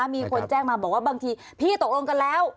มีคนแจ้งมาบอกว่าบางทีพี่ตกลงกันแล้ว